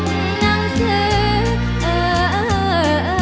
โทษนะ